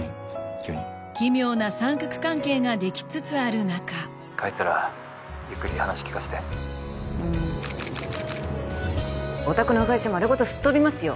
急に奇妙な三角関係が出来つつある中☎帰ったらゆっくり話聞かしてうんお宅の会社丸ごと吹っ飛びますよ